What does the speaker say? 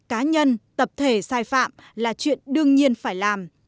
cá nhân tập thể sai phạm là chuyện đương nhiên phải làm